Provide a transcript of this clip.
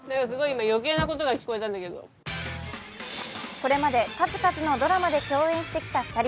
これまで数々のドラマで共演してきた２人。